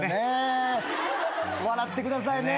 笑ってくださいね。